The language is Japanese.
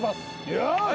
よし！